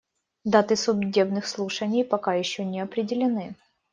Даты судебных слушаний пока еще не определены.